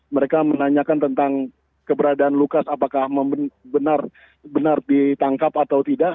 mereka menanyakan tentang keberadaan lukas apakah benar ditangkap atau tidak